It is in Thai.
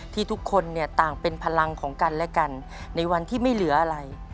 ทุกคนเนี่ยต่างเป็นพลังของกันและกันในวันที่ไม่เหลืออะไร